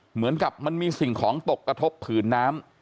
เหมือนกับมันมีสิ่งของตกกระทบผืนน้ำ